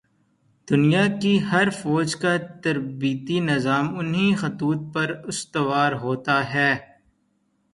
دنیا کی ہر فوج کا تربیتی نظام انہی خطوط پر استوار ہوتا ہے۔